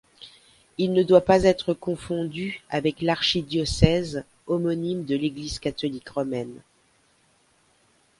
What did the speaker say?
Il ne doit pas être confondu avec l'archidiocèse homonyme de l'église catholique romaine.